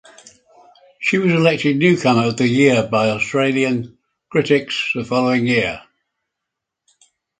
She was elected Newcomer of the Year by Austrian critics the following year.